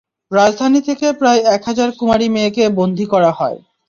রাজধানী থেকে প্রায় এক হাজার কুমারী মেয়েকে বন্দী করা হয়।